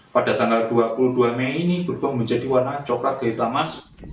pada tanggal dua puluh dua mei ini berubah menjadi warna coklat kelitamas